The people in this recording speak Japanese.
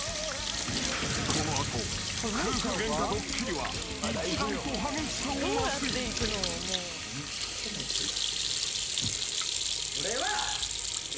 ［この後夫婦ゲンカドッキリは一段と激しさを増す］来いよ。